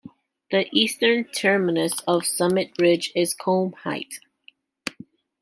The eastern terminus of the summit ridge is Coomb Height.